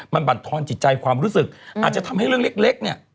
มันบรรทอนจิตใจความรู้สึกอาจจะทำให้เรื่องเล็กเนี่ย